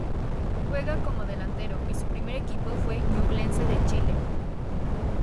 Juega como delantero y su primer equipo fue Ñublense de Chile.